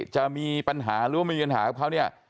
จะมีปัญหาหรือว่ามีปัญหากับเขาเนี่ย